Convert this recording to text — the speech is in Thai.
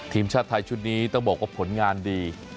ทีมชาติไทยชุดนี้ต้องบอกว่าผลงานดี